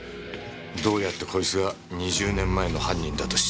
どうやってこいつが２０年前の犯人だと知ったか？